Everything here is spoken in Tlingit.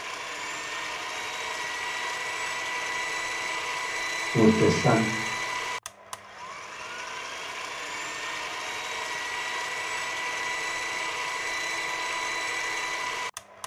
Wudishán.